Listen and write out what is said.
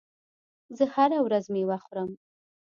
زه هره ورځ مېوه خورم.